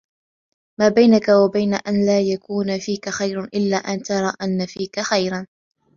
مَا بَيْنَك وَبَيْنَ أَنْ لَا يَكُونَ فِيك خَيْرٌ إلَّا أَنْ تَرَى أَنَّ فِيك خَيْرًا